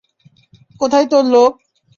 কোথায় তোর লোক?